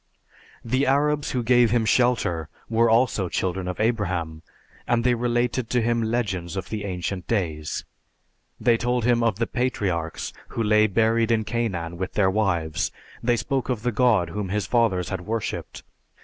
The Arabs who gave him shelter were also children of Abraham, and they related to him legends of the ancient days. They told him of the patriarchs who lay buried in Canaan with their wives; they spoke of the God whom his fathers had worshiped.